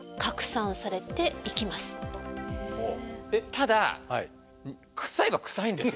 ただ臭いは臭いんですよ。